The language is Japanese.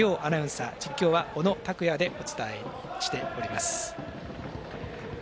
実況は小野卓哉でお伝えしております。